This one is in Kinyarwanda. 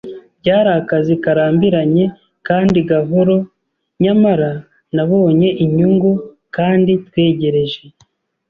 Byari akazi karambiranye kandi gahoro, nyamara nabonye inyungu; kandi twegereje